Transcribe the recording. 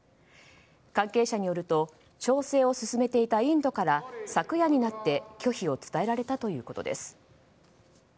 関係者によると調整を進めていたインドから昨夜になって拒否を伝えられたということです。